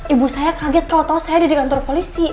ibu saya kaget kalau tau saya di kantor polisi